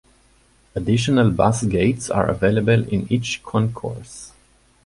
Additional bus gates are available in each concourse.